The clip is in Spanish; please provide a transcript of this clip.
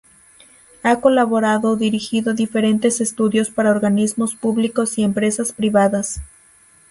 Ha colaborado o dirigido diferentes estudios para organismos públicos y empresas privadas.